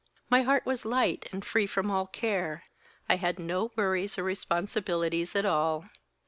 My heart was light and free from all care. I had no worries or responsibilities at all.